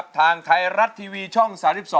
ทางไทยรัฐทีวีช่อง๓๒